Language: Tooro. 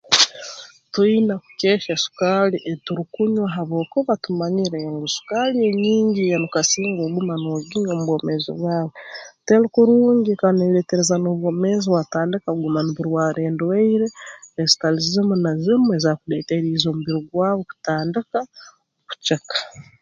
Twina kukehya sukaali ei turukunywa habwokuba tumanyire ngu sukaali enyingi enu kasinga oguma n'oginywa mu bwomeezi bwawe teri kurungi kandi neeretereza n'obwomeezi bwatandika kuguma nuburwara endwaire ezitali zimu na zimu ezaakuleeteriize omubiri gwawe kutandika kuceka